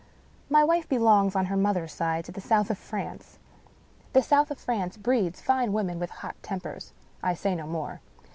My wife belongs, on her mother's side, to the South of France. The South of France breeds fine women with hot tempers. I say no more.